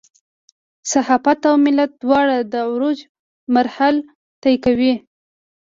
صحافت او ملت دواړه د عروج مراحل طی کوي.